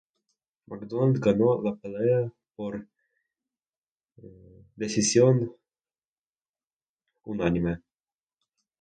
MacDonald ganó la pelea por decisión unánime.